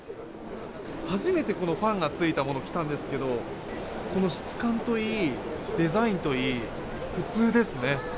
初めてファンのついたものを着たんですけどこの質感といい、デザインといい普通ですね。